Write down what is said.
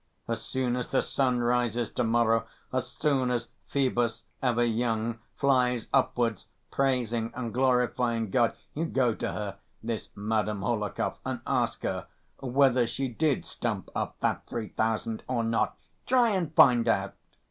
"As soon as the sun rises to‐morrow, as soon as Phœbus, ever young, flies upwards, praising and glorifying God, you go to her, this Madame Hohlakov, and ask her whether she did stump up that three thousand or not. Try and find out."